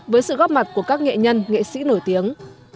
với sự góp mặt của các nghệ nhân nghệ sĩ nổi tiếng